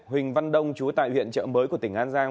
huỳnh văn đông chú tại huyện trợ mới của tỉnh an giang